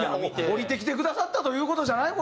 降りてきてくださったという事じゃない？